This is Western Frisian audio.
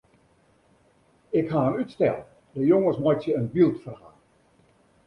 Ik ha in útstel: de jonges meitsje in byldferhaal.